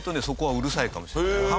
そこはうるさいかもしれない。